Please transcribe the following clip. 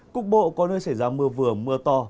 cục bộ có nơi xảy ra mưa vừa mưa to